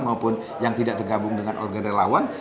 maupun yang tidak tergabung dengan organ relawan